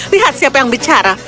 lihat siapa yang bicara